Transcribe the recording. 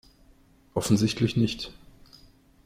Offensichtlich nicht.